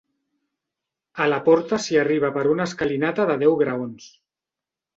A la porta s'hi arriba per una escalinata de deu graons.